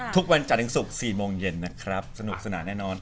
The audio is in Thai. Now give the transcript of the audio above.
ทุกวันจากถึงศุกร์๔โมงเย็นสนุกสนานแน่นอน